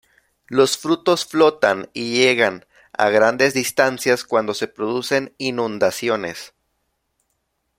Los frutos flotan, y llegan a grandes distancias cuando se producen inundaciones.